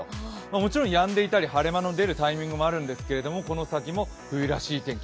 もちろんやんでいたり晴れ間も出るタイミングもあるんですけどこの先も冬らしい天気。